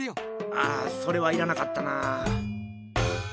ああそれはいらなかったなあ。